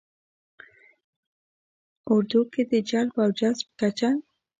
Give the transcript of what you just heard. ه اردو کې د جلب او جذب کچه